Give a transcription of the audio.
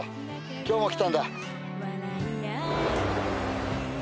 今日も来たんだ。